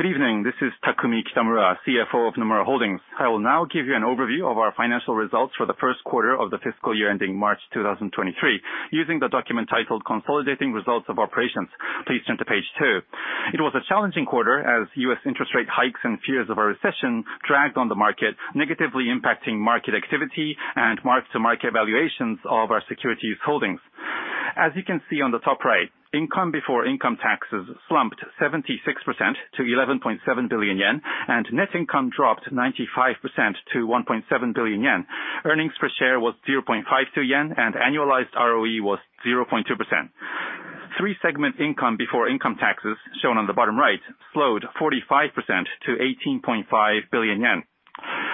Good evening. This is Takumi Kitamura, CFO of Nomura Holdings. I will now give you an overview of our Financial Results for the First Quarter of the Fiscal Year ending March 2023 using the document titled Consolidated Results of Operations. Please turn to page two. It was a challenging quarter as U.S. interest rate hikes and fears of a recession dragged on the market, negatively impacting market activity and mark-to-market evaluations of our securities holdings. As you can see on the top right, income before income taxes slumped 76% to 11.7 billion yen, and net income dropped 95% to 1.7 billion yen. Earnings per share was 0.52 yen, and annualized ROE was 0.2%. Three-segment income before income taxes, shown on the bottom right, slowed 45% to 18.5 billion yen.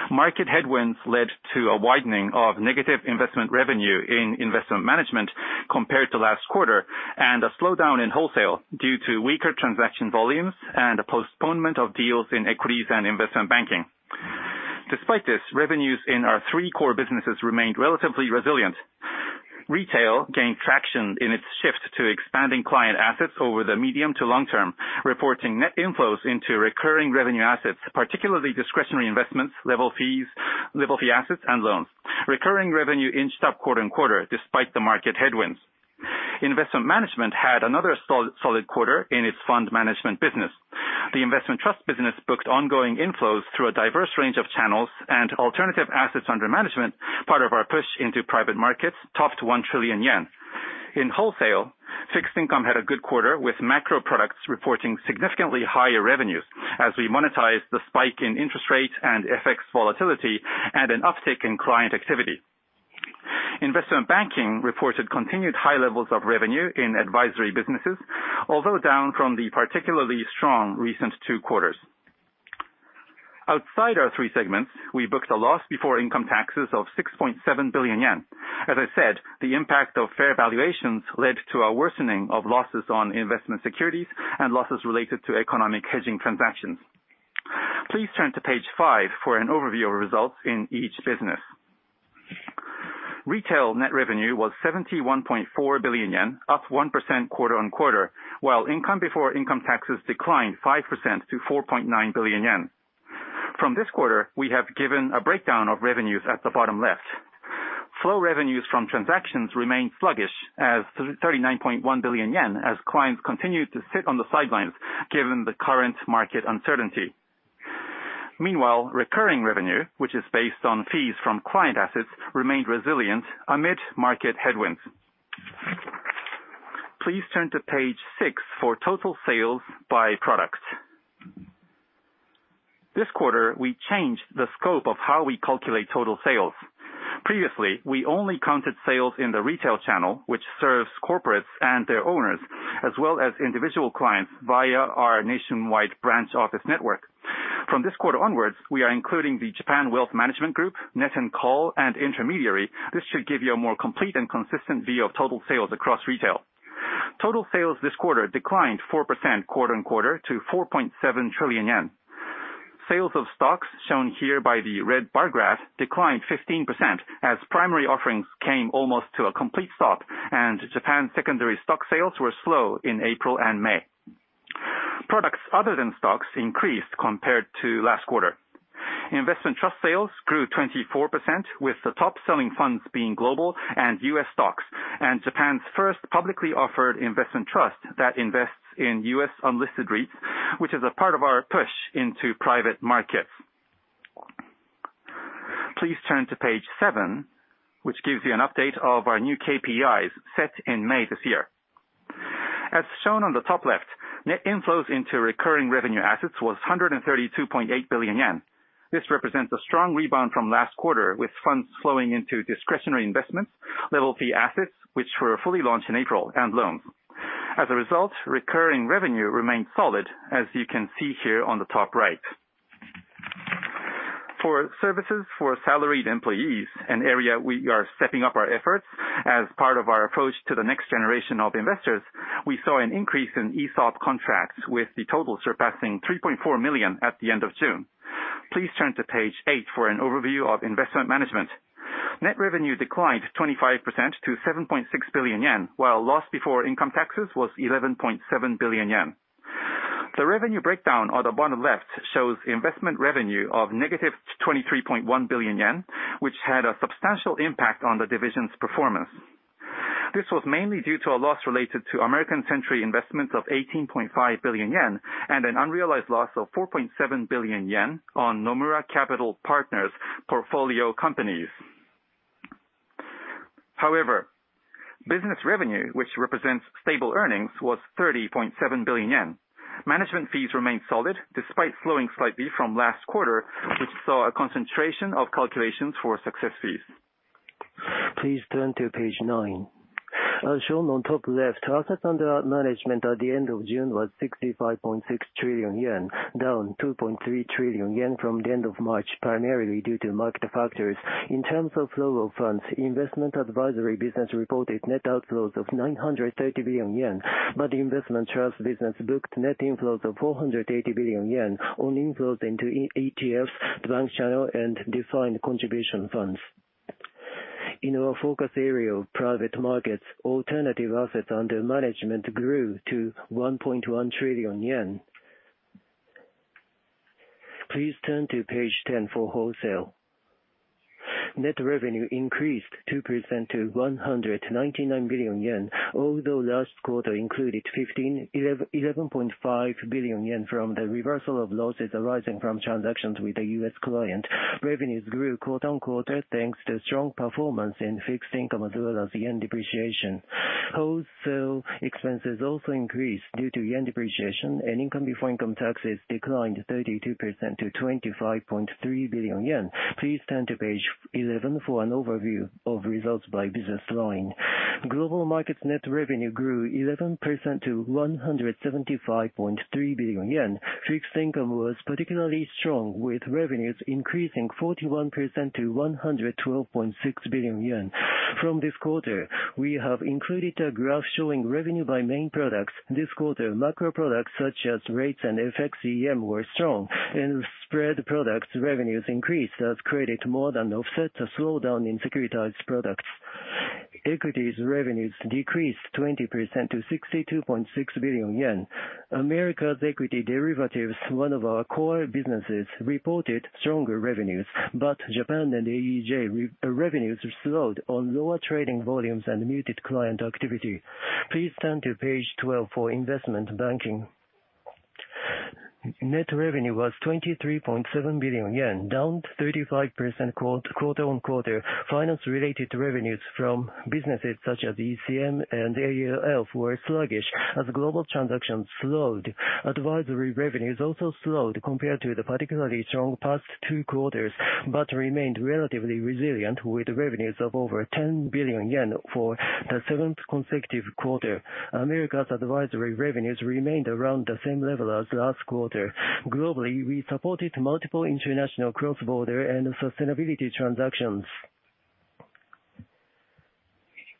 Market headwinds led to a widening of negative investment revenue in Investment Management compared to last quarter, and a slowdown in Wholesale due to weaker transaction volumes and a postponement of deals in equities and Investment Banking. Despite this, revenues in our three core businesses remained relatively resilient. Retail gained traction in its shift to expanding client assets over the medium to long term, reporting net inflows into recurring revenue assets, particularly discretionary investments, level fees, level fee assets and loans. Recurring revenue inched up quarter-over-quarter despite the market headwinds. Investment Management had another solid quarter in its fund management business. The investment trust business booked ongoing inflows through a diverse range of channels and alternative assets under management, part of our push into private markets topped 1 trillion yen. In Wholesale, fixed income had a good quarter, with macro products reporting significantly higher revenues as we monetized the spike in interest rates and FX volatility at an uptick in client activity. Investment Banking reported continued high levels of revenue in advisory businesses, although down from the particularly strong recent two quarters. Outside our three segments, we booked a loss before income taxes of 6.7 billion yen. As I said, the impact of fair valuations led to a worsening of losses on investment securities and losses related to economic hedging transactions. Please turn to page five for an overview of results in each business. Retail net revenue was 71.4 billion yen, up 1% quarter-on-quarter, while income before income taxes declined 5% to 4.9 billion yen. From this quarter, we have given a breakdown of revenues at the bottom left. Flow revenues from transactions remained sluggish at 39.1 billion yen as clients continued to sit on the sidelines given the current market uncertainty. Meanwhile, recurring revenue, which is based on fees from client assets, remained resilient amid market headwinds. Please turn to page six for total sales by products. This quarter, we changed the scope of how we calculate total sales. Previously, we only counted sales in the retail channel, which serves corporates and their owners, as well as individual clients via our nationwide branch office network. From this quarter onwards, we are including the Japan Wealth Management Group, Net & Call and intermediary. This should give you a more complete and consistent view of total sales across retail. Total sales this quarter declined 4% quarter-on-quarter to 4.7 trillion yen. Sales of stocks, shown here by the red bar graph, declined 15% as primary offerings came almost to a complete stop and Japan's secondary stock sales were slow in April and May. Products other than stocks increased compared to last quarter. Investment trust sales grew 24%, with the top-selling funds being global and U.S. stocks, and Japan's first publicly offered investment trust that invests in U.S.-unlisted REITs, which is a part of our push into private markets. Please turn to page seven, which gives you an update of our new KPIs set in May this year. As shown on the top left, net inflows into recurring revenue assets was 132.8 billion yen. This represents a strong rebound from last quarter, with funds flowing into discretionary investments, level fee assets, which were fully launched in April, and loans. As a result, recurring revenue remained solid, as you can see here on the top right. For services for salaried employees, an area we are stepping up our efforts as part of our approach to the next generation of investors, we saw an increase in ESOP contracts, with the total surpassing 3.4 million at the end of June. Please turn to page eight for an overview of Investment Management. Net revenue declined 25% to 7.6 billion yen, while loss before income taxes was 11.7 billion yen. The revenue breakdown on the bottom left shows investment revenue of -23.1 billion yen, which had a substantial impact on the division's performance. This was mainly due to a loss related to American Century Investments of 18.5 billion yen and an unrealized loss of 4.7 billion yen on Nomura Capital Partners' portfolio companies. However, business revenue, which represents stable earnings, was 30.7 billion yen. Management fees remained solid despite slowing slightly from last quarter, which saw a concentration of calculations for success fees. Please turn to page nine. As shown on top left, assets under management at the end of June was 65.6 trillion yen, down 2.3 trillion yen from the end of March, primarily due to market factors. In terms of flow of funds, investment advisory business reported net outflows of 930 billion yen, but investment trust business booked net inflows of 480 billion yen on inflows into E-ETFs, bank channel, and defined contribution funds. In our focus area of private markets, alternative assets under management grew to 1.1 trillion yen. Please turn to page 10 for Wholesale. Net revenue increased 2% to 199 billion yen, although last quarter included 15.5 billion yen from the reversal of losses arising from transactions with a U.S. client. Revenues grew quarter-on-quarter, thanks to strong performance in fixed income as well as yen depreciation. Wholesale expenses also increased due to yen depreciation and income before income taxes declined 32% to 25.3 billion yen. Please turn to page 11 for an overview of results by business line. Global Markets net revenue grew 11% to 175.3 billion yen. Fixed income was particularly strong, with revenues increasing 41% to 112.6 billion yen. From this quarter, we have included a graph showing revenue by main products. This quarter, macro products such as rates and FX EM were strong, and spread products revenues increased as credit more than offset a slowdown in securitized products. Equities revenues decreased 20% to 62.6 billion yen. Americas equity derivatives, one of our core businesses, reported stronger revenues. Japan and AEJ revenues slowed on lower trading volumes and muted client activity. Please turn to page 12 for investment banking. Net revenue was 23.7 billion yen, down 35% quarter-on-quarter. Finance-related revenues from businesses such as ECM and DCM were sluggish as global transactions slowed. Advisory revenues also slowed compared to the particularly strong past two quarters, but remained relatively resilient, with revenues of over 10 billion yen for the seventh consecutive quarter. Americas advisory revenues remained around the same level as last quarter. Globally, we supported multiple international cross-border and sustainability transactions.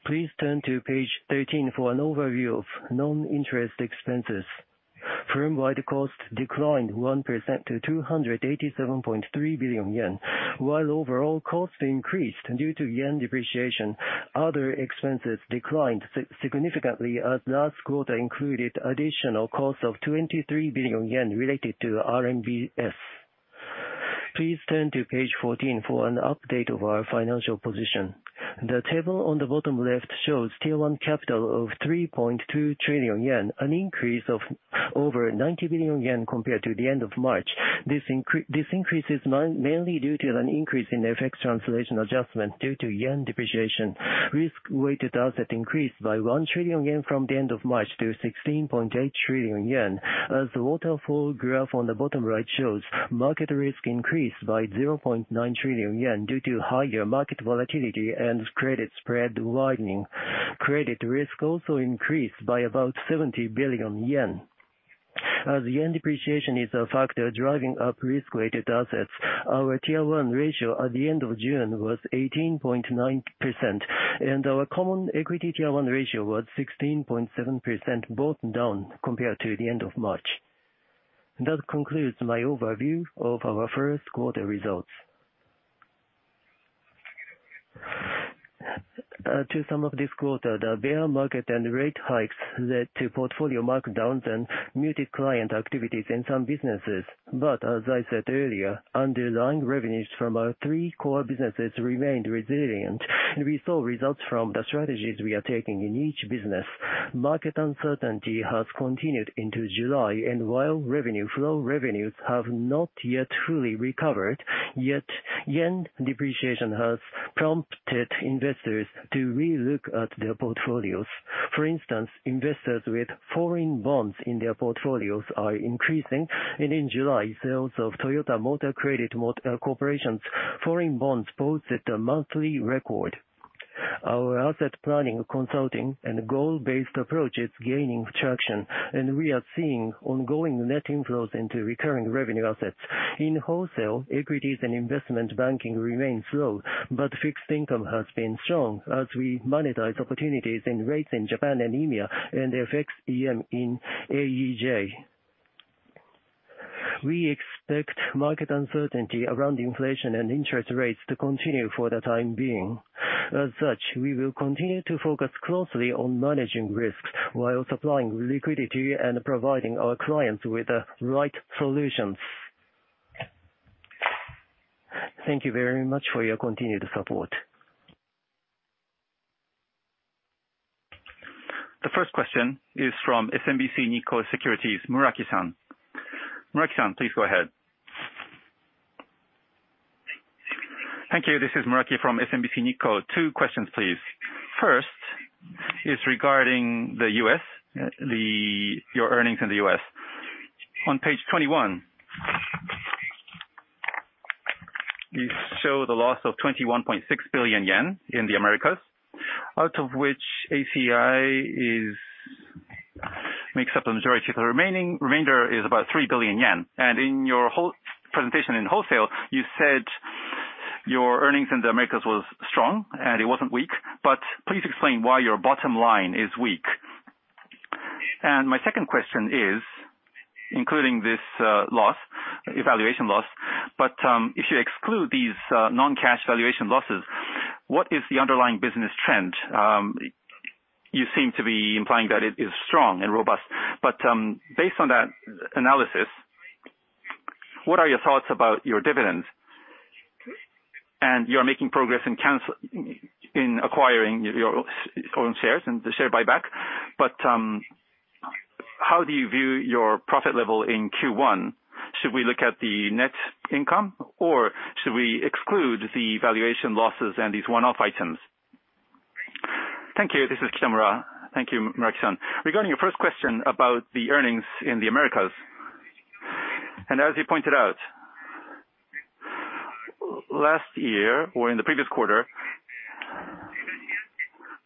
Please turn to page 13 for an overview of non-interest expenses. Firm-wide costs declined 1% to 287.3 billion yen. While overall costs increased due to yen depreciation, other expenses declined significantly as last quarter included additional costs of 23 billion yen related to RMBS. Please turn to page 14 for an update of our financial position. The table on the bottom left shows Tier 1 capital of 3.2 trillion yen, an increase of over 90 billion yen compared to the end of March. This increase is mainly due to an increase in FX translation adjustment due to yen depreciation. Risk-weighted assets increased by 1 trillion yen from the end of March to 16.8 trillion yen. As the waterfall graph on the bottom right shows, market risk increased by 0.9 trillion yen due to higher market volatility and credit spread widening. Credit risk also increased by about 70 billion yen. As yen depreciation is a factor driving up risk-weighted assets, our Tier 1 ratio at the end of June was 18.9%, and our common equity Tier 1 ratio was 16.7%, both down compared to the end of March. That concludes my overview of our first quarter results. To sum up this quarter, the bear market and rate hikes led to portfolio markdowns and muted client activities in some businesses. As I said earlier, underlying revenues from our three core businesses remained resilient, and we saw results from the strategies we are taking in each business. Market uncertainty has continued into July, and while fee revenues have not yet fully recovered, yen depreciation has prompted investors to re-look at their portfolios. For instance, investors with foreign bonds in their portfolios are increasing, and in July, sales of Toyota Motor Credit Corporation's foreign bonds posted a monthly record. Our asset planning, consulting, and goal-based approach is gaining traction, and we are seeing ongoing net inflows into recurring revenue assets. In Wholesale, equities and Investment Banking remain slow, but fixed income has been strong as we monetize opportunities in rates in Japan and EMEA and FX EM in AEJ. We expect market uncertainty around inflation and interest rates to continue for the time being. As such, we will continue to focus closely on managing risks while supplying liquidity and providing our clients with the right solutions. Thank you very much for your continued support. The first question is from SMBC Nikko Securities, Muraki-san. Muraki-san, please go ahead. Thank you. This is Muraki from SMBC Nikko. Two questions, please. First is regarding the U.S., your earnings in the U.S. On page 21, you show the loss of 21.6 billion yen in the Americas, out of which ACI makes up the majority of the remaining. Remainder is about 3 billion yen. In your whole presentation in Wholesale, you said your earnings in the Americas was strong and it wasn't weak, but please explain why your bottom line is weak. My second question is including this, loss, valuation loss. If you exclude these, non-cash valuation losses, what is the underlying business trend? You seem to be implying that it is strong and robust. Based on that analysis, what are your thoughts about your dividends? You are making progress in acquiring your own shares and the share buyback. How do you view your profit level in Q1? Should we look at the net income or should we exclude the valuation losses and these one-off items? Thank you. This is Kitamura. Thank you, Muraki-san. Regarding your first question about the earnings in the Americas, as you pointed out, last year or in the previous quarter,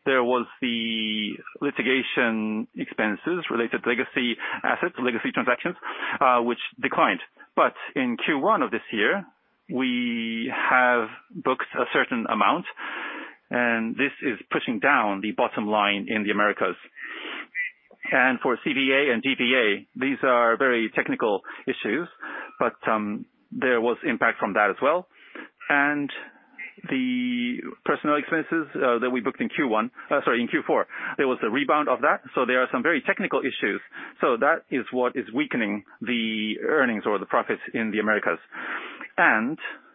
there was the litigation expenses related to legacy assets, legacy transactions, which declined. In Q1 of this year, we have booked a certain amount, and this is pushing down the bottom line in the Americas. For CBA and GBA, these are very technical issues, there was impact from that as well. The personnel expenses that we booked in Q1, sorry, in Q4, there was a rebound of that. There are some very technical issues. That is what is weakening the earnings or the profits in the Americas.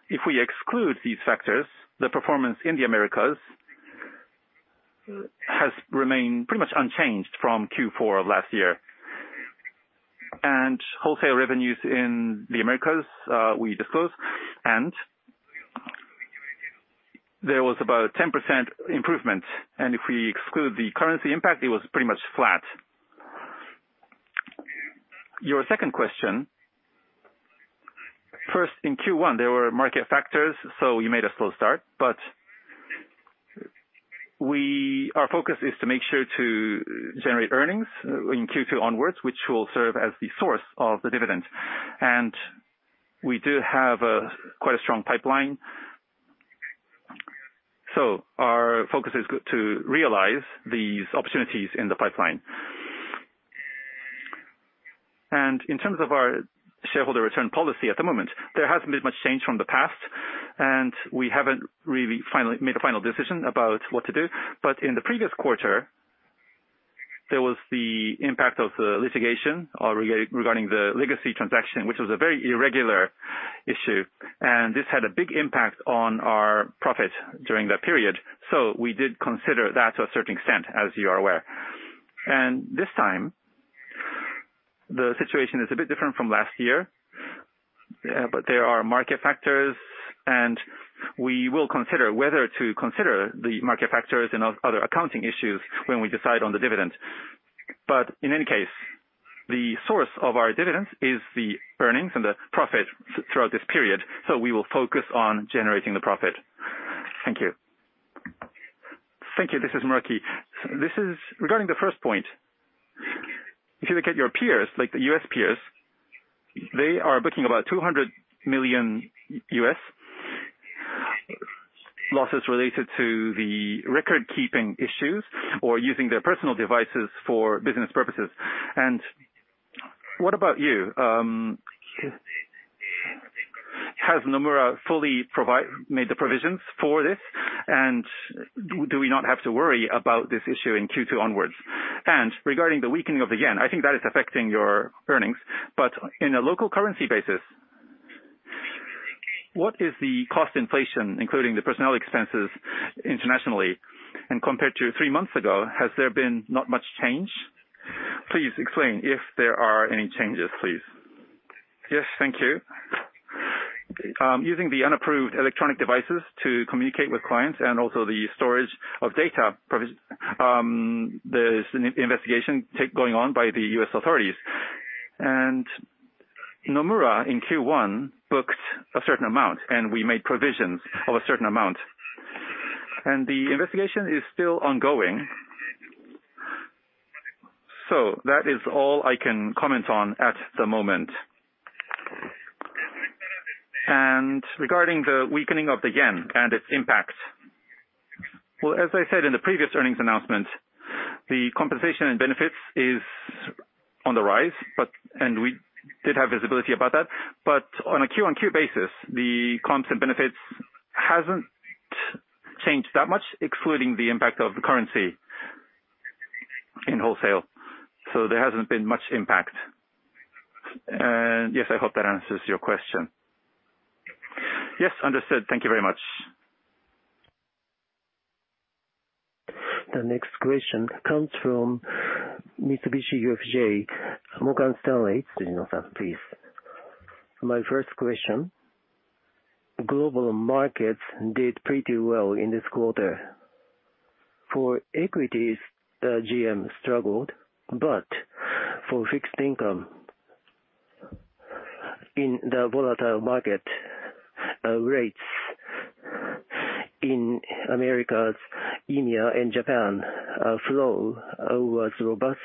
If we exclude these factors, the performance in the Americas has remained pretty much unchanged from Q4 of last year. Wholesale revenues in the Americas we disclose and there was about 10% improvement, and if we exclude the currency impact, it was pretty much flat. Your second question, first, in Q1, there were market factors, so we made a slow start, but our focus is to make sure to generate earnings in Q2 onwards, which will serve as the source of the dividends. We do have quite a strong pipeline. Our focus is to realize these opportunities in the pipeline. In terms of our shareholder return policy, at the moment, there hasn't been much change from the past, and we haven't really finally made a final decision about what to do. In the previous quarter, there was the impact of the litigation regarding the legacy transaction, which was a very irregular issue, and this had a big impact on our profit during that period. We did consider that to a certain extent, as you are aware. This time, the situation is a bit different from last year. There are market factors, and we will consider whether to consider the market factors and other accounting issues when we decide on the dividend. In any case, the source of our dividends is the earnings and the profit throughout this period, so we will focus on generating the profit. Thank you. Thank you. This is Muraki. Regarding the first point, if you look at your peers, like the U.S. peers, they are booking about $200 million losses related to the record-keeping issues or using their personal devices for business purposes. What about you? Has Nomura fully made the provisions for this? Do we not have to worry about this issue in Q2 onwards? Regarding the weakening of the yen, I think that is affecting your earnings. In a local currency basis, what is the cost inflation, including the personnel expenses internationally? Compared to three months ago, has there been not much change? Please explain if there are any changes, please. Yes, thank you. Using the unapproved electronic devices to communicate with clients and also the storage of data, there's an investigation going on by the U.S. authorities. Nomura in Q1 booked a certain amount, and we made provisions of a certain amount. The investigation is still ongoing. That is all I can comment on at the moment. Regarding the weakening of the yen and its impact, well, as I said in the previous earnings announcement, the compensation and benefits is on the rise, but and we did have visibility about that. On a Q-on-Q basis, the comps and benefits hasn't changed that much, excluding the impact of the currency in wholesale. There hasn't been much impact. Yes, I hope that answers your question. Yes, understood. Thank you very much. The next question comes from Mitsubishi UFJ Morgan Stanley. please. My first question, global markets did pretty well in this quarter. For equities, GM struggled, but for fixed income in the volatile market, rates in Americas, EMEA and Japan, flow was robust.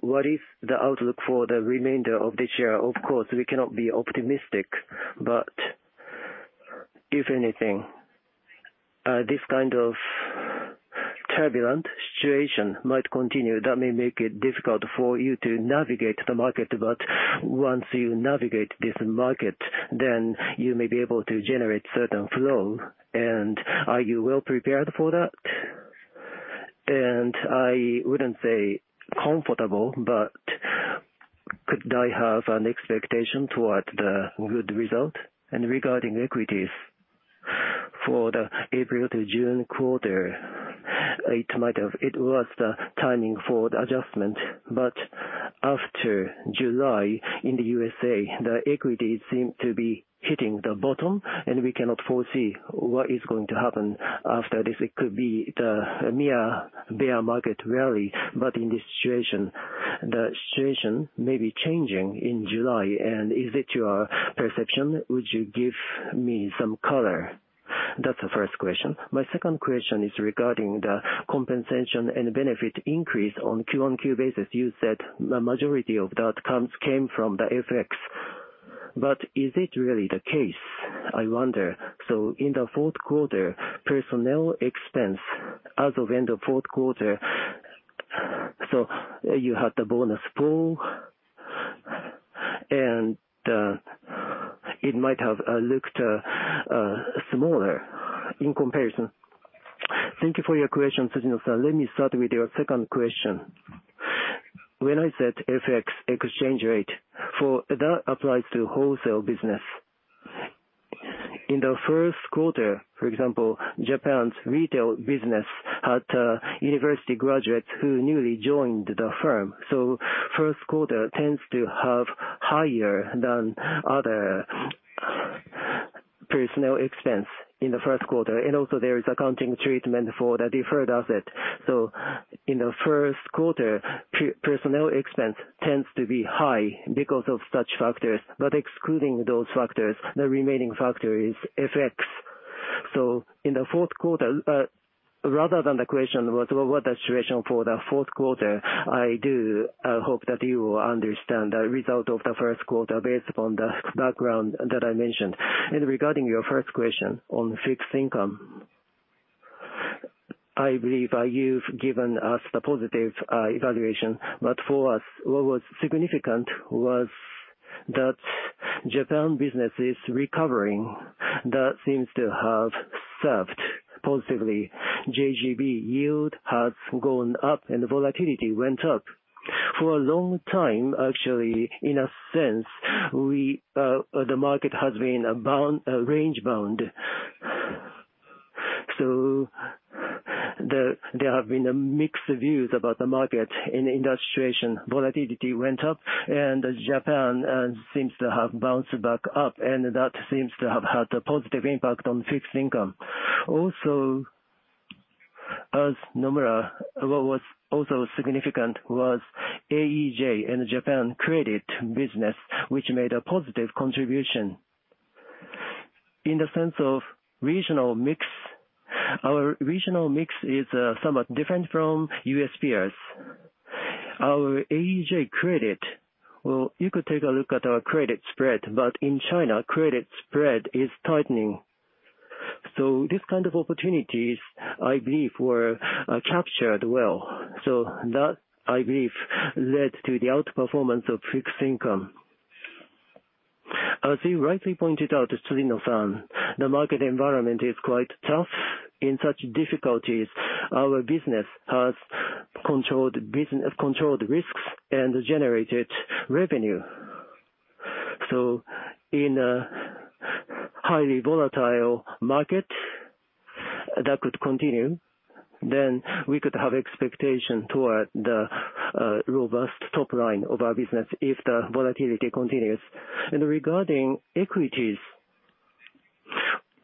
What is the outlook for the remainder of this year? Of course, we cannot be optimistic, but if anything, this kind of turbulent situation might continue. That may make it difficult for you to navigate the market, but once you navigate this market, then you may be able to generate certain flow, and are you well prepared for that? I wouldn't say comfortable, but could I have an expectation toward the good result? Regarding equities for the April to June quarter, it might have. It was the timing for adjustment, but after July in the USA, the equities seem to be hitting the bottom, and we cannot foresee what is going to happen after this. It could be the mere bear market rally. In this situation, the situation may be changing in July, and is it your perception? Would you give me some color? That's the first question. My second question is regarding the compensation and benefit increase on Q-on-Q basis. You said the majority of that comes, came from the FX. Is it really the case? I wonder. In the fourth quarter, personnel expense as of end of fourth quarter, so you had the bonus pool. It might have looked smaller in comparison. Thank you for your question, Tsujino-san. Let me start with your second question. When I said FX exchange rate, that applies to Wholesale business. In the first quarter, for example, Japan's Retail business had university graduates who newly joined the firm. First quarter tends to have higher than other personnel expense in the first quarter. Also there is accounting treatment for the deferred asset. In the first quarter, personnel expense tends to be high because of such factors. Excluding those factors, the remaining factor is FX. In the fourth quarter, rather than the question was, well, what's the situation for the fourth quarter, I do hope that you will understand the result of the first quarter based upon the background that I mentioned. Regarding your first question on fixed income, I believe you've given us the positive evaluation. For us, what was significant was that Japan business is recovering. That seems to have served positively. JGB yield has gone up and the volatility went up. For a long time, actually, in a sense, the market has been range bound. There have been mixed views about the market. In that situation, volatility went up and Japan seems to have bounced back up, and that seems to have had a positive impact on fixed income. Also, as Nomura, what was also significant was AEJ and Japan credit business, which made a positive contribution. In the sense of regional mix, our regional mix is somewhat different from U.S. peers. Our AEJ credit, well, you could take a look at our credit spread, but in China, credit spread is tightening. These kind of opportunities, I believe, were captured well. That, I believe, led to the outperformance of fixed income. As you rightly pointed out, Tsujino-san, the market environment is quite tough. In such difficulties, our business has controlled business, controlled risks and generated revenue. In a highly volatile market that could continue, then we could have expectation toward the robust top line of our business if the volatility continues. Regarding equities,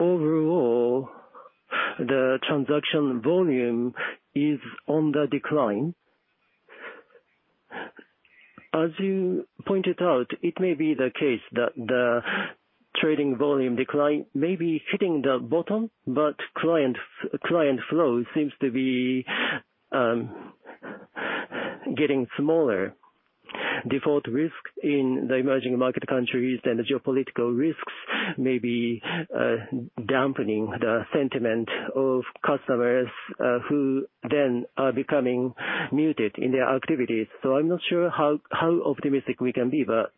overall, the transaction volume is on the decline. As you pointed out, it may be the case that the trading volume decline may be hitting the bottom, but client flow seems to be getting smaller. Default risk in the emerging market countries and geopolitical risks may be dampening the sentiment of customers who then are becoming muted in their activities. I'm not sure how optimistic we can be, but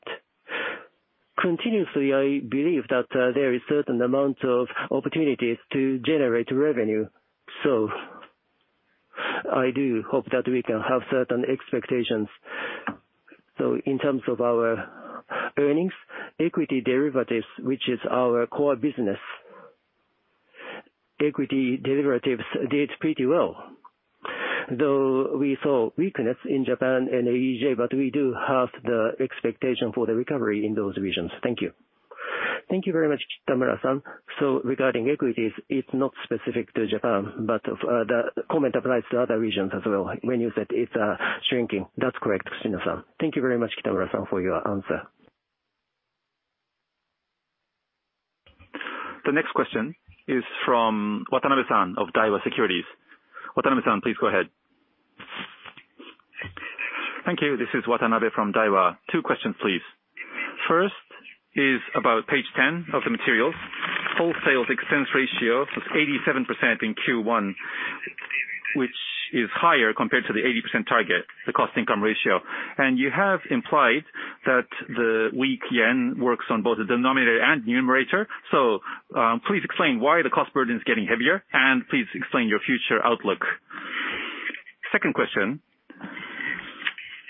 continuously, I believe that there is certain amount of opportunities to generate revenue. I do hope that we can have certain expectations. In terms of our earnings, equity derivatives, which is our core business, equity derivatives did pretty well. Though we saw weakness in Japan and AEJ, but we do have the expectation for the recovery in those regions. Thank you. Thank you very much, Kitamura-san. Regarding equities, it's not specific to Japan, but the comment applies to other regions as well when you said it's shrinking. That's correct, Tsujino-san. Thank you very much, Kitamura-san, for your answer. The next question is from Watanabe-san of Daiwa Securities. Watanabe-san, please go ahead. Thank you. This is Watanabe from Daiwa. Two questions, please. First is about page 10 of the materials. Wholesale expense ratio was 87% in Q1, which is higher compared to the 80% target, the cost income ratio. You have implied that the weak yen works on both the denominator and numerator. Please explain why the cost burden is getting heavier, and please explain your future outlook. Second question,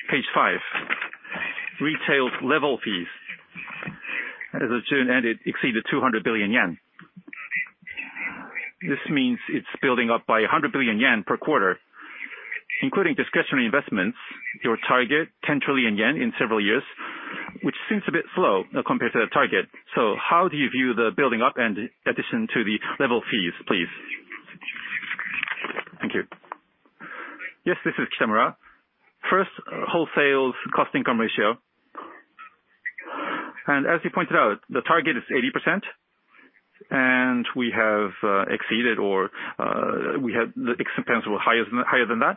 page five. Retail level fees as of June ended exceeded 200 billion yen. This means it's building up by 100 billion yen per quarter, including discretionary investments, your target 10 trillion yen in several years, which seems a bit slow compared to the target. How do you view the building up and addition to the level fees, please? Thank you. Yes, this is Kitamura. First, Wholesale cost-income ratio. As you pointed out, the target is 80%, and we have exceeded or we had the expenses were higher than that.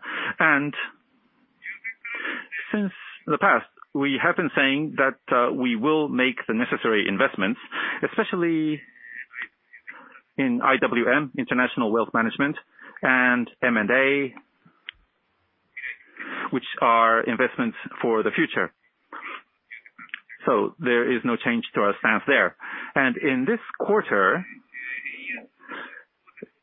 In the past we have been saying that we will make the necessary investments, especially in IWM, International Wealth Management and M&A, which are investments for the future. There is no change to our stance there. In this quarter,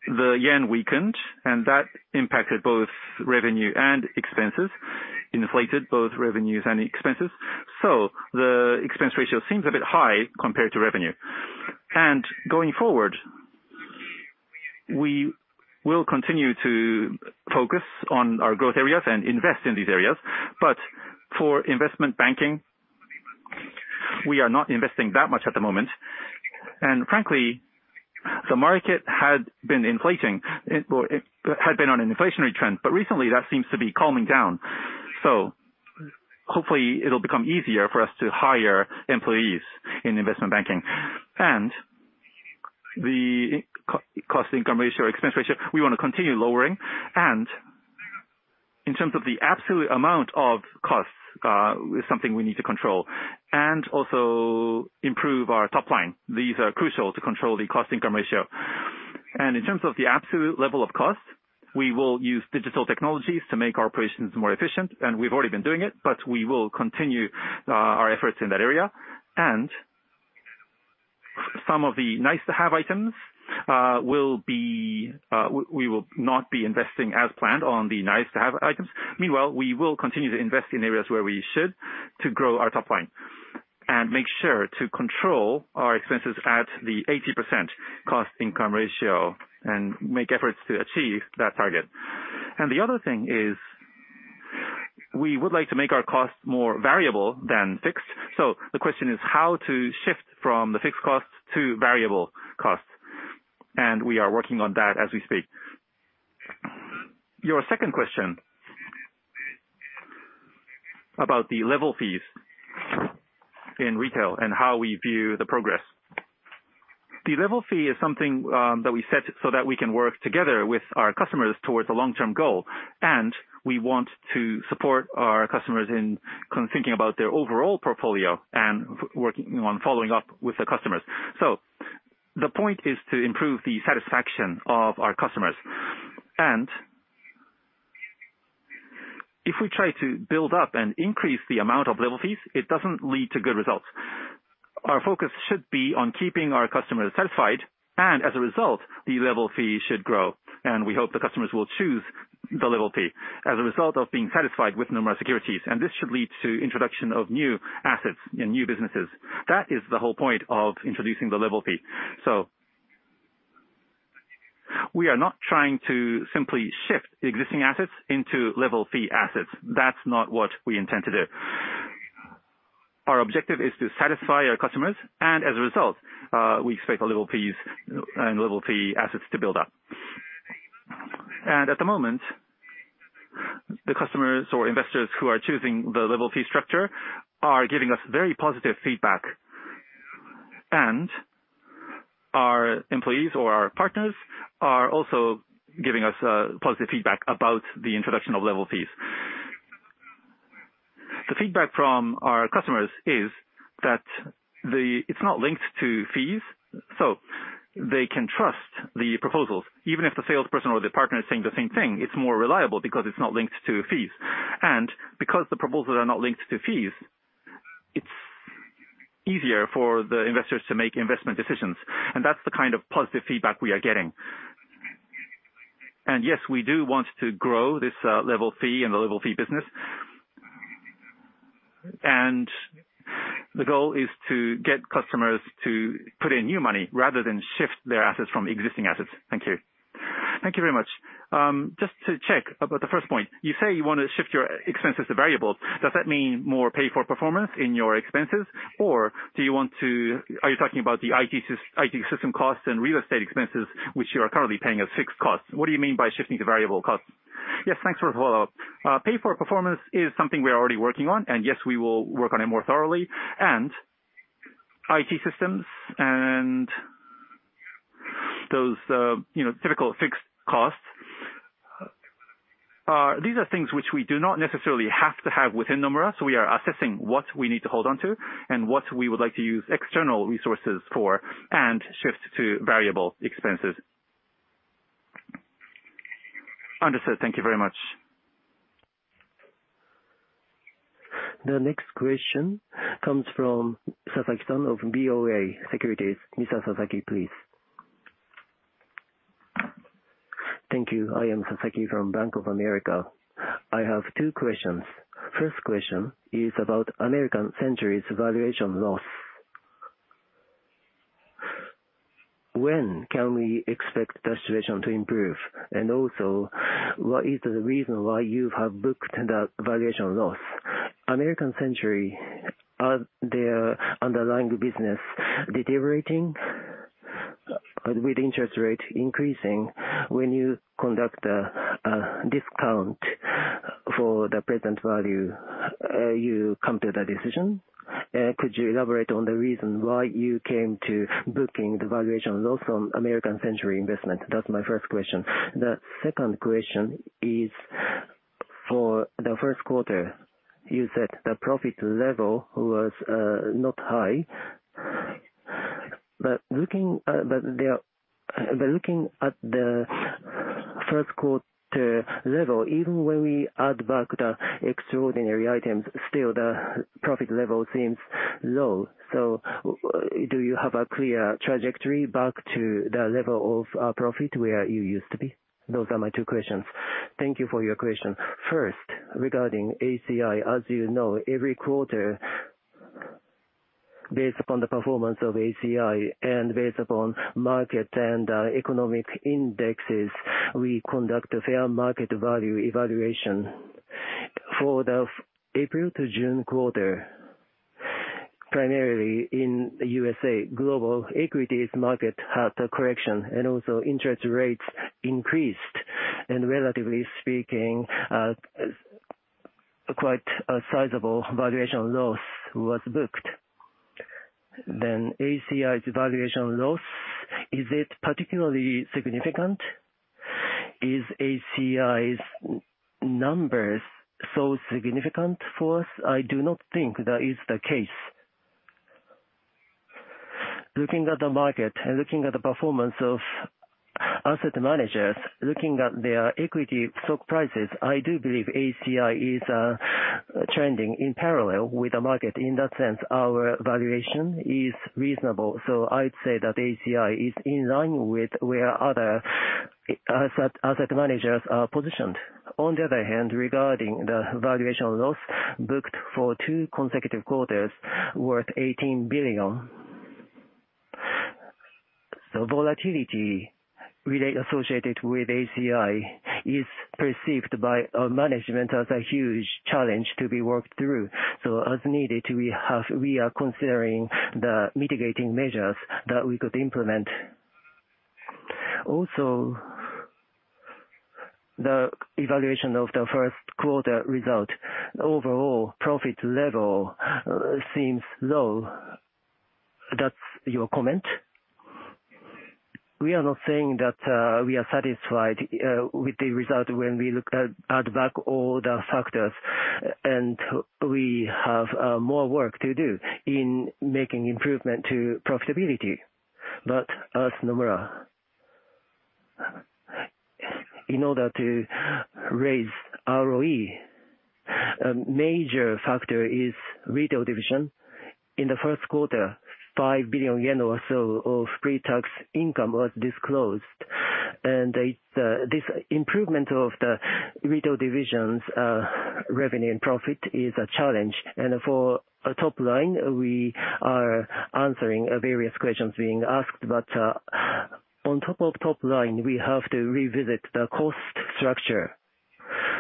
the yen weakened, and that impacted both revenue and expenses, inflated both revenues and expenses. The expense ratio seems a bit high compared to revenue. Going forward, we will continue to focus on our growth areas and invest in these areas. For Investment Banking, we are not investing that much at the moment. Frankly, the market had been inflating. Well, it had been on an inflationary trend, but recently that seems to be calming down. Hopefully it'll become easier for us to hire employees in Investment Banking. The cost-income ratio or expense ratio, we want to continue lowering. In terms of the absolute amount of costs is something we need to control and also improve our top line. These are crucial to control the cost income ratio. In terms of the absolute level of cost, we will use digital technologies to make our operations more efficient, and we've already been doing it, but we will continue our efforts in that area. Some of the nice to have items will be. We will not be investing as planned on the nice to have items. Meanwhile, we will continue to invest in areas where we should to grow our top line and make sure to control our expenses at the 80% cost income ratio and make efforts to achieve that target. The other thing is, we would like to make our costs more variable than fixed. The question is how to shift from the fixed costs to variable costs. We are working on that as we speak. Your second question about the level fees in retail and how we view the progress. The level fee is something, that we set so that we can work together with our customers towards a long-term goal. We want to support our customers in kind of thinking about their overall portfolio and working on following up with the customers. The point is to improve the satisfaction of our customers. If we try to build up and increase the amount of level fees, it doesn't lead to good results. Our focus should be on keeping our customers satisfied, and as a result, the level fees should grow, and we hope the customers will choose the level fee as a result of being satisfied with Nomura Securities. This should lead to introduction of new assets and new businesses. That is the whole point of introducing the level fee. We are not trying to simply shift existing assets into level fee assets. That's not what we intend to do. Our objective is to satisfy our customers, and as a result, we expect the level fees and level fee assets to build up. At the moment, the customers or investors who are choosing the level fee structure are giving us very positive feedback, and our employees or our partners are also giving us positive feedback about the introduction of level fees. The feedback from our customers is that it's not linked to fees, so they can trust the proposals. Even if the salesperson or the partner is saying the same thing, it's more reliable because it's not linked to fees. Because the proposals are not linked to fees, it's easier for the investors to make investment decisions, and that's the kind of positive feedback we are getting. Yes, we do want to grow this level fee and the level fee business. The goal is to get customers to put in new money rather than shift their assets from existing assets. Thank you. Thank you very much. Just to check about the first point, you say you want to shift your expenses to variable. Does that mean more pay for performance in your expenses, or are you talking about the IT system costs and real estate expenses which you are currently paying as fixed costs? What do you mean by shifting to variable costs? Yes, thanks for the follow-up. Pay for performance is something we are already working on, and yes, we will work on it more thoroughly. IT systems and- Those, you know, typical fixed costs. These are things which we do not necessarily have to have within Nomura, so we are assessing what we need to hold on to and what we would like to use external resources for and shift to variable expenses. Understood. Thank you very much. The next question comes from Sasaki-san of BofA Securities. Mr. Sasaki, please. Thank you. I am Sasaki from Bank of America. I have two questions. First question is about American Century's valuation loss. When can we expect the situation to improve? And also, what is the reason why you have booked the valuation loss? American Century, are their underlying business deteriorating with interest rate increasing? When you conduct a discount for the present value, you come to the decision? Could you elaborate on the reason why you came to book the valuation loss on American Century Investments? That's my first question. The second question is for the first quarter, you said the profit level was not high. But looking at the first quarter level, even when we add back the extraordinary items, still the profit level seems low. So do you have a clear trajectory back to the level of profit where you used to be? Those are my two questions. Thank you for your question. First, regarding ACI, as you know, every quarter, based upon the performance of ACI and based upon market and economic indexes, we conduct a fair market value evaluation. For the April to June quarter, primarily in USA, global equities market had a correction, and also interest rates increased, and relatively speaking, quite a sizable valuation loss was booked. ACI's valuation loss, is it particularly significant? Is ACI's numbers so significant for us? I do not think that is the case. Looking at the market and looking at the performance of asset managers, looking at their equity stock prices, I do believe ACI is trending in parallel with the market. In that sense, our valuation is reasonable. I'd say that ACI is in line with where other asset managers are positioned. On the other hand, regarding the valuation loss booked for two consecutive quarters worth JPY 18 billion. Volatility associated with ACI is perceived by our management as a huge challenge to be worked through. As needed, we are considering the mitigating measures that we could implement. Also, the evaluation of the first quarter result, overall profit level seems low. That's your comment? We are not saying that we are satisfied with the result when we look back at all the factors, and we have more work to do in making improvement to profitability. As Nomura, in order to raise ROE, a major factor is Retail division. In the first quarter, 5 billion yen or so of pre-tax income was disclosed. This improvement of the Retail division's revenue and profit is a challenge. For top line, we are answering various questions being asked, but on top of top line, we have to revisit the cost structure.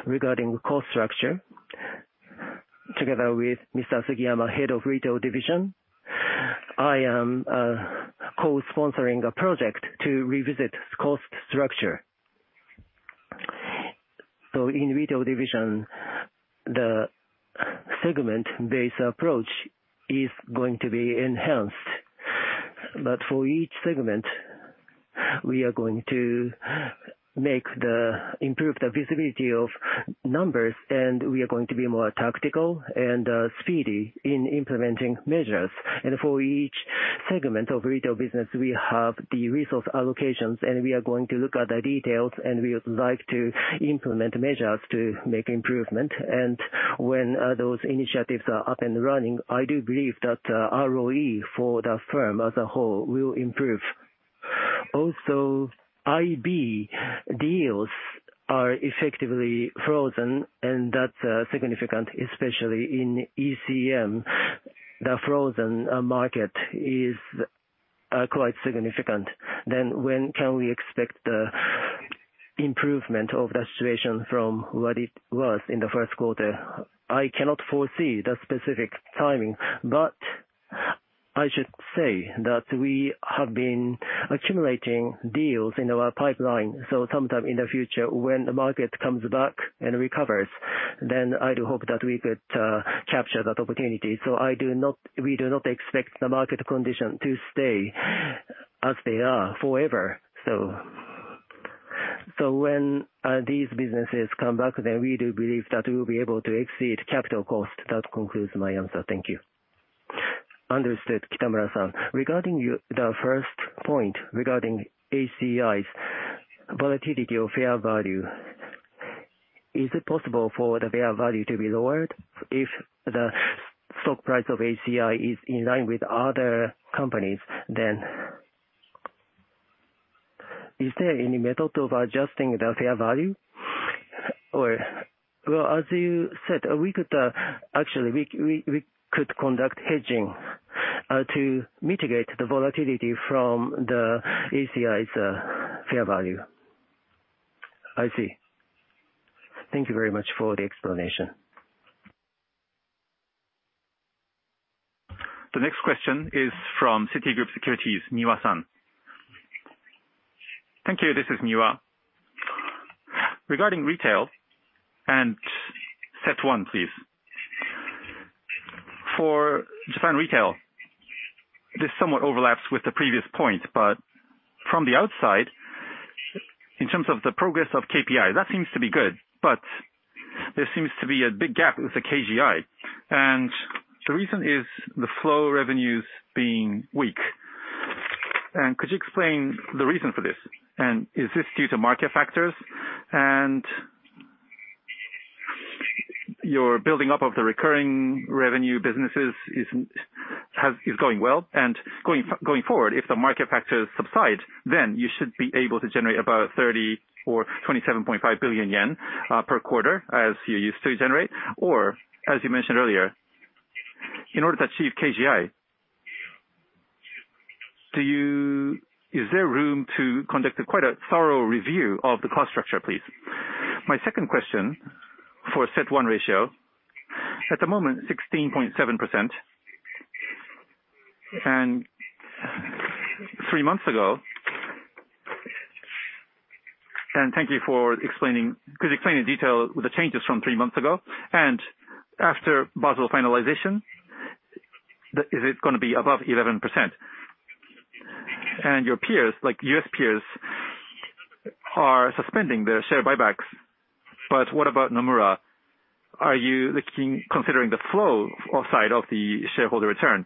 Regarding cost structure, together with Mr. Sugiyama, head of Retail division, I am co-sponsoring a project to revisit cost structure. In Retail division, the segment based approach is going to be enhanced. For each segment, we are going to improve the visibility of numbers, and we are going to be more tactical and speedy in implementing measures. For each segment of retail business, we have the resource allocations, and we are going to look at the details, and we would like to implement measures to make improvement. When those initiatives are up and running, I do believe that ROE for the firm as a whole will improve. Also, IB deals are effectively frozen and that's significant, especially in ECM. The frozen market is quite significant. When can we expect the improvement of the situation from what it was in the first quarter? I cannot foresee the specific timing, but I should say that we have been accumulating deals in our pipeline. Sometime in the future, when the market comes back and recovers, then I do hope that we could capture that opportunity. We do not expect the market condition to stay as they are forever. When these businesses come back, then we do believe that we'll be able to exceed capital cost. That concludes my answer. Thank you. Understood, Kitamura-san. Regarding the first point, regarding ACI's volatility of fair value, is it possible for the fair value to be lowered if the stock price of ACI is in line with other companies then? Is there any method of adjusting the fair value or? Well, as you said, we could actually conduct hedging to mitigate the volatility from the ACI's fair value. I see. Thank you very much for the explanation. The next question is from Citigroup Securities, Niwa-san. Thank you. This is Niwa. Regarding Retail and Tier 1, please. For Japan retail, this somewhat overlaps with the previous point, but from the outside, in terms of the progress of KPI, that seems to be good, but there seems to be a big gap with the KGI, and the reason is the flow revenues being weak. Could you explain the reason for this, and is this due to market factors and your building up of the recurring revenue businesses is going well? Going forward, if the market factors subside, then you should be able to generate about 30 billion or 27.5 billion yen per quarter, as you used to generate, or as you mentioned earlier, in order to achieve KGI. Is there room to conduct a quite thorough review of the cost structure, please? My second question for CET1 ratio, at the moment, 16.7% and three months ago. Thank you for explaining, could you explain in detail the changes from three months ago and after Basel finalization, is it gonna be above 11%? Your peers, like, U.S. peers are suspending their share buybacks, but what about Nomura? Are you looking, considering the flow of side of the shareholder return?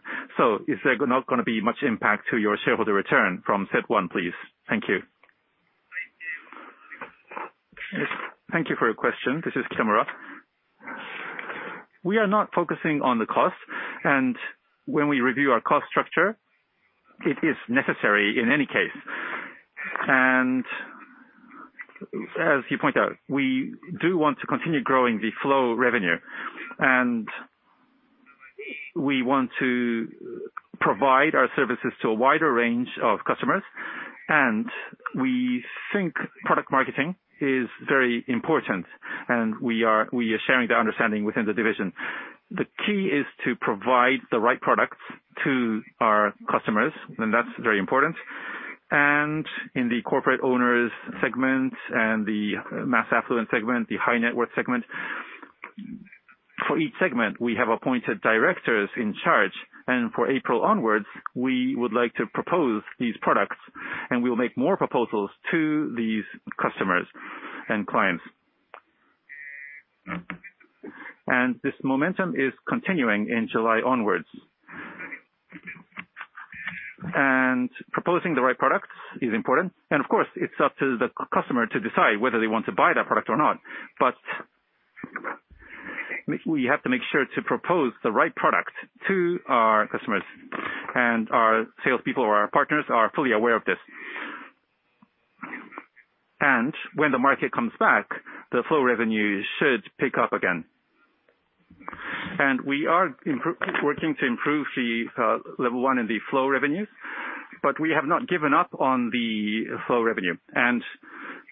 Is there not gonna be much impact to your shareholder return from CET1, please? Thank you. Yes. Thank you for your question. This is Kitamura. We are not focusing on the cost, and when we review our cost structure, it is necessary in any case. As you point out, we do want to continue growing the flow revenue, and we want to provide our services to a wider range of customers, and we think product marketing is very important, and we are sharing the understanding within the division. The key is to provide the right products to our customers, and that's very important. In the corporate owners segment and the mass affluent segment, the high net worth segment, for each segment, we have appointed directors in charge, and for April onwards, we would like to propose these products and we will make more proposals to these customers and clients. This momentum is continuing in July onwards. Proposing the right products is important. Of course, it's up to the customer to decide whether they want to buy that product or not. We have to make sure to propose the right product to our customers and our salespeople or our partners are fully aware of this. When the market comes back, the flow revenues should pick up again. We are working to improve the level one in the flow revenues, but we have not given up on the flow revenue.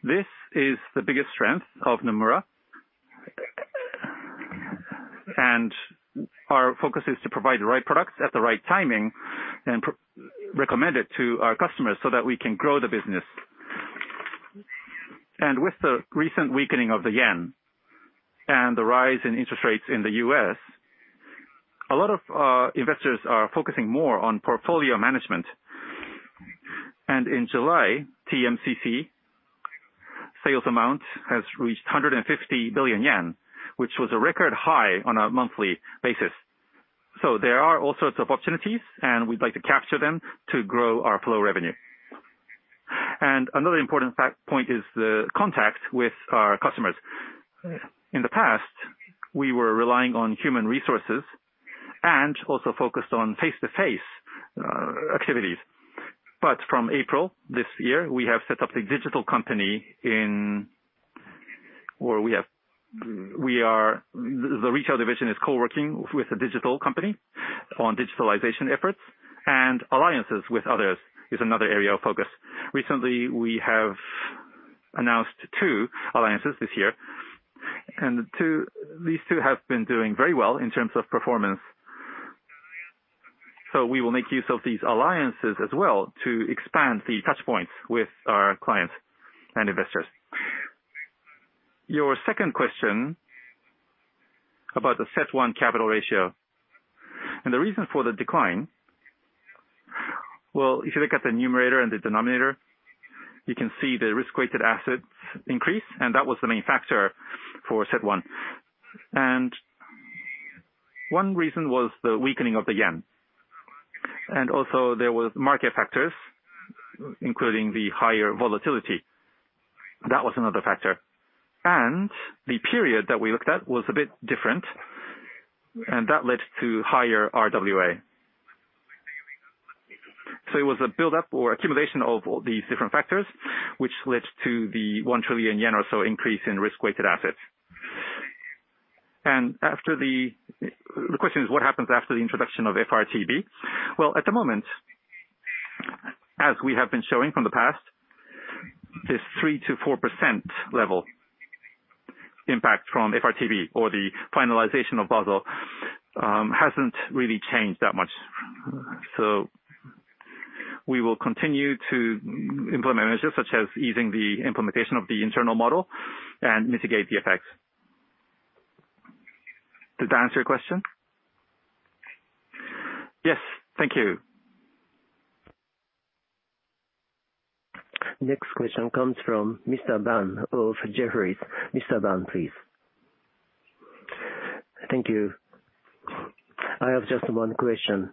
This is the biggest strength of Nomura. Our focus is to provide the right products at the right timing and recommend it to our customers so that we can grow the business. With the recent weakening of the yen and the rise in interest rates in the U.S., a lot of investors are focusing more on portfolio management. In July, TMCC sales amount has reached 150 billion yen, which was a record high on a monthly basis. There are all sorts of opportunities, and we'd like to capture them to grow our flow revenue. Another important point is the contact with our customers. In the past, we were relying on human resources and also focused on face-to-face activities. From April this year, the retail division is co-working with a digital company on digitalization efforts, and alliances with others is another area of focus. Recently, we have announced two alliances this year, and these two have been doing very well in terms of performance. We will make use of these alliances as well to expand the touchpoints with our clients and investors. Your second question about the CET1 capital ratio, and the reason for the decline. Well, if you look at the numerator and the denominator, you can see the risk-weighted asset increase, and that was the main factor for CET1. One reason was the weakening of the yen, and also there was market factors, including the higher volatility. That was another factor. The period that we looked at was a bit different, and that led to higher RWA. It was a buildup or accumulation of all these different factors which led to the 1 trillion yen or so increase in risk-weighted assets. The question is what happens after the introduction of FRTB? Well, at the moment, as we have been showing from the past, this 3%-4% level impact from FRTB or the finalization of Basel hasn't really changed that much. We will continue to implement measures such as easing the implementation of the internal model and mitigate the effects. Did that answer your question? Yes. Thank you. Next question comes from Mr. Ban of Jefferies. Mr. Ban, please. Thank you. I have just one question.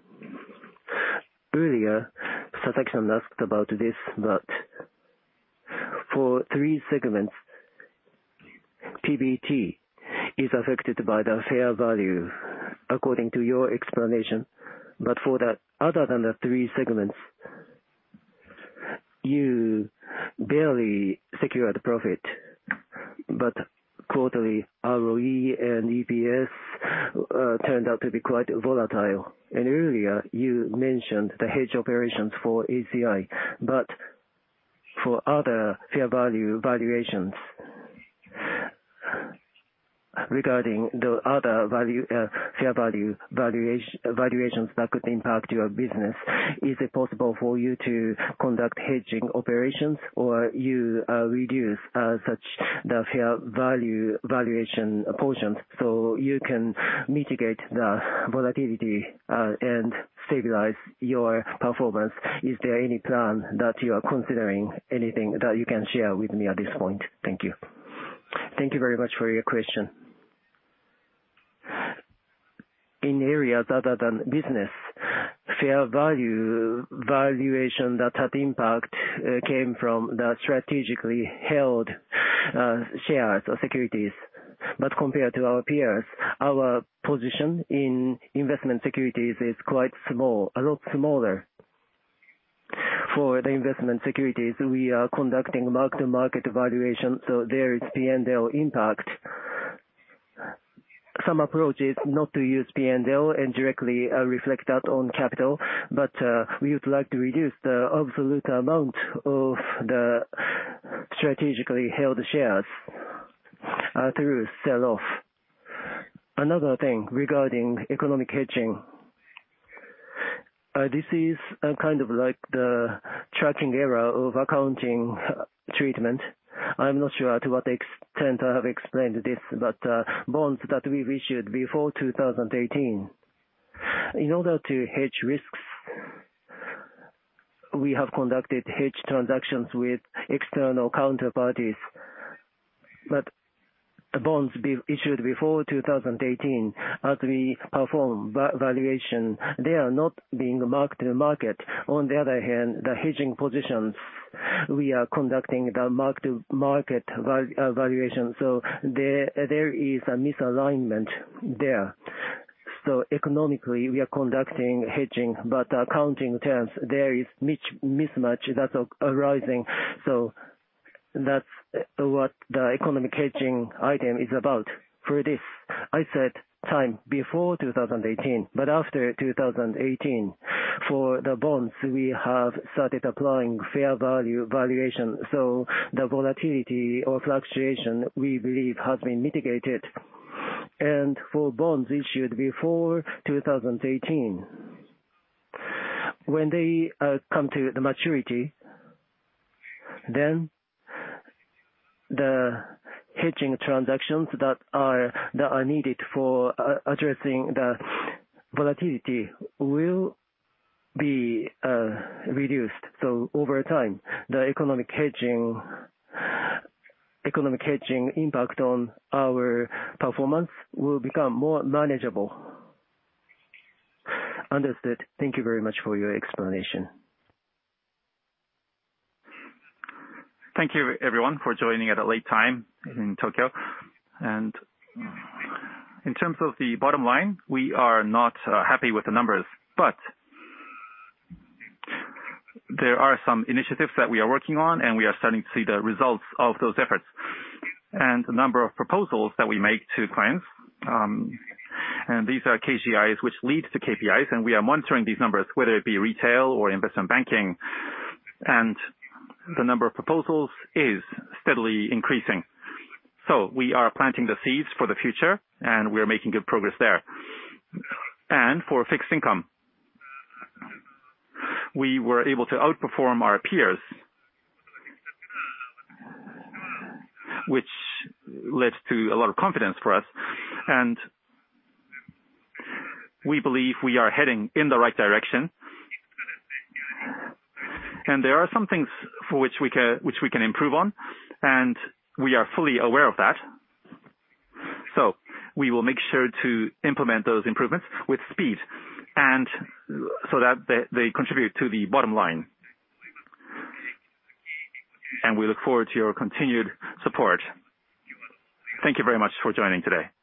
Earlier, Sasaki-san asked about this, but for three segments, PBT is affected by the fair value, according to your explanation. Other than the three segments, you barely secured profit. Quarterly ROE and EPS turned out to be quite volatile. Earlier, you mentioned the hedge operations for ACI, but for other fair value valuations regarding the other fair value valuations that could impact your business, is it possible for you to conduct hedging operations or reduce such as the fair value valuation portion, so you can mitigate the volatility and stabilize your performance? Is there any plan that you are considering? Anything that you can share with me at this point? Thank you. Thank you very much for your question. In areas other than business, fair value valuation that had impact came from the strategically held shares or securities. Compared to our peers, our position in investment securities is quite small, a lot smaller. For the investment securities, we are conducting mark-to-market valuation, so there is P&L impact. Some approaches not to use P&L and directly reflect that on capital, but we would like to reduce the absolute amount of the strategically held shares through sell off. Another thing regarding economic hedging. This is a kind of like the tracking error of accounting treatment. I'm not sure to what extent I have explained this, but bonds that we reissued before 2018. In order to hedge risks, we have conducted hedge transactions with external counterparties. The bonds issued before 2018, as we perform valuation, they are not being marked to market. On the other hand, the hedging positions, we are conducting the mark to market valuation. There is a misalignment there. Economically, we are conducting hedging, but accounting terms, there is mismatch that are arising. That's what the economic hedging item is about. For this, I said time before 2018, but after 2018, for the bonds, we have started applying fair value valuation. The volatility or fluctuation we believe has been mitigated. For bonds issued before 2018, when they come to the maturity, then the hedging transactions that are needed for addressing the volatility will be reduced. Over time, the economic hedging impact on our performance will become more manageable. Understood. Thank you very much for your explanation. Thank you, everyone, for joining at a late time in Tokyo. In terms of the bottom line, we are not happy with the numbers, but there are some initiatives that we are working on, and we are starting to see the results of those efforts. The number of proposals that we make to clients, and these are KGIs, which leads to KPIs, and we are monitoring these numbers, whether it be Retail or Investment Banking. The number of proposals is steadily increasing. We are planting the seeds for the future, and we are making good progress there. For fixed income, we were able to outperform our peers, which led to a lot of confidence for us, and we believe we are heading in the right direction. There are some things for which we can improve on, and we are fully aware of that. We will make sure to implement those improvements with speed and so that they contribute to the bottom line. We look forward to your continued support. Thank you very much for joining today.